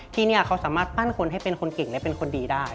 ที่นี่เขาสามารถปั้นคนให้เป็นคนเก่งและเป็นคนดีได้